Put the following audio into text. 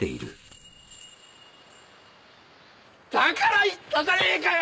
だから言ったじゃねえかよ！